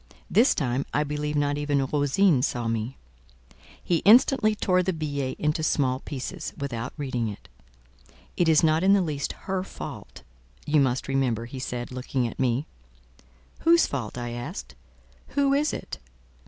This time, I believe not even Rosine saw me. He instantly tore the billet into small pieces, without reading it. "It is not in the least her fault, you must remember," he said, looking at me. "Whose fault?" I asked. "Who is it?"